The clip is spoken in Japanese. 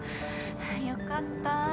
よかった。